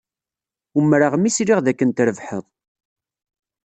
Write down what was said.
Umreɣ mi sliɣ dakken trebḥed.